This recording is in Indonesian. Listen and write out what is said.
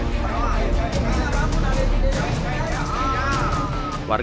lima meter saat merayap ke atap plafon rumah warga di loreng saleh kelurahan pelaju ulu kecamatan pelaju palegu